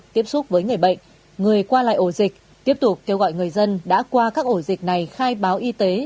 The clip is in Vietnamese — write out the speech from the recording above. tiếp xúc với người bệnh người qua lại ổ dịch tiếp tục kêu gọi người dân đã qua các ổ dịch này khai báo y tế